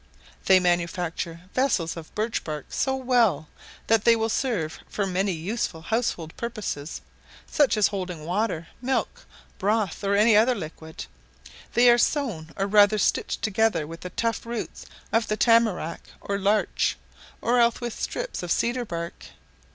They manufacture vessels of birch bark so well, that they will serve for many useful household purposes, such as holding water, milk, broth, or any other liquid; they are sewn or rather stitched together with the tough roots of the tamarack or larch, or else with strips of cedar bark.